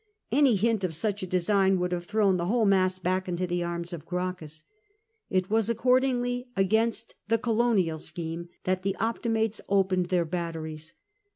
Any hint of such a design would have thrown the whole mass back into the arms of Gracchus. It was accordingly against the colonial scheme that the Optimates opened their batteries.